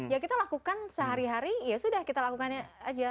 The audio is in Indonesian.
ya kita lakukan sehari hari ya sudah kita lakukannya aja